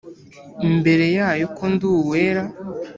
imbere yayo ko ndi uwera